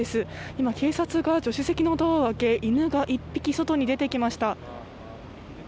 今、警察が助手席のドアを開け犬が１匹外に出てきました。